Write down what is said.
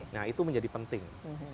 nah itu menjadi penting